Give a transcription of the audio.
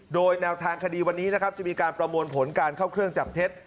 โดยแนวทางคดีวันนี้นะครับจะมีการประมวลผลการเข้าเครื่องจับเท็จ